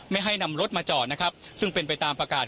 ไม่ให้นำรถมาจอดนะครับ